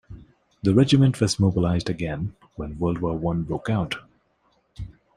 The regiment was mobilised again when World War One broke out.